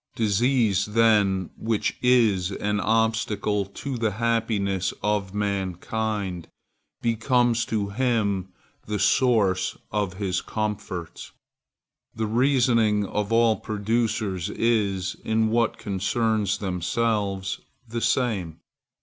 Disease, then, which is an obstacle to the happiness of mankind, becomes to him the source of his comforts. The reasoning of all producers is, in what concerns themselves, the same.